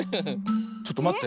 ちょっとまって。